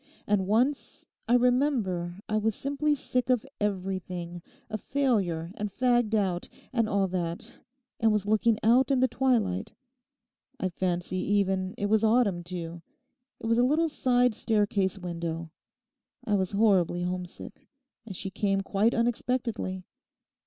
And once I remember I was simply sick of everything, a failure, and fagged out, and all that, and was looking out in the twilight; I fancy even it was autumn too. It was a little side staircase window; I was horribly homesick. And she came quite unexpectedly.